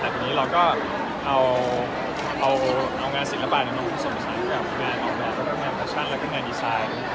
แต่ทีนี้เราก็เอางานศิลปะดังน้องทุกสมศัษย์กับงานออนไลน์กับงานฟัชชั่นและกับงานดีไซน์